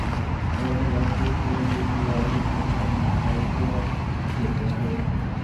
آج نوازشریف صاحب کے خلاف جن الزامات کا ذکر ہوتا ہے،